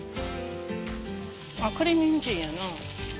あっこれにんじんやな。